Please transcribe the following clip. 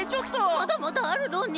まだまだあるのに。